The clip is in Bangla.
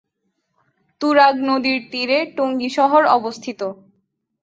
তুরাগ নদীর তীরে টঙ্গী শহর অবস্থিত।